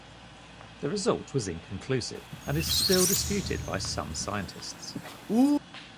The result was inconclusive, and is still disputed by some scientists.